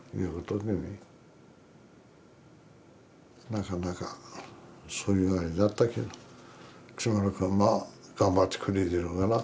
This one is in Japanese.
なかなかそういうあれだったけど木村君はまあ頑張ってくれてるから。